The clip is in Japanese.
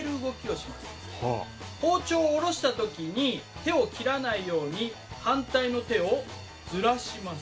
包丁を下ろした時に手を切らないように反対の手をずらします。